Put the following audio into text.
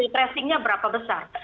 tracing nya berapa besar